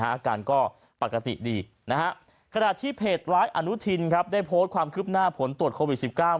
อาการก็ปกติดีขณะที่เพจไลน์อนุทินได้โพสต์ความคลึบหน้าผลตรวจโควิด๑๙